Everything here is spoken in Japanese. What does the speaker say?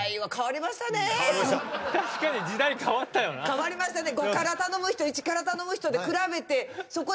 変わりましたね。